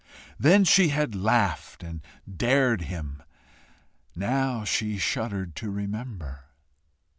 Then she had laughed and dared him; now she shuddered to remember.